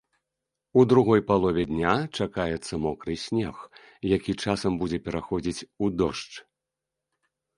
У другой палове дня чакаецца мокры снег, які часам будзе пераходзіць у дождж.